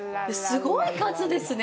すごい数ですね。